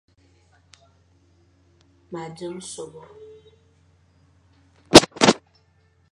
Ma dzeng sôbô.